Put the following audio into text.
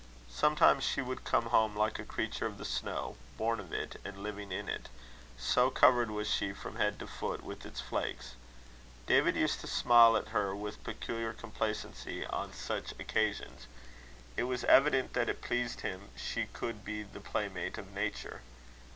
Sometimes she would come home like a creature of the snow, born of it, and living in it; so covered was she from head to foot with its flakes. David used to smile at her with peculiar complacency on such occasions. It was evident that it pleased him she should be the playmate of Nature.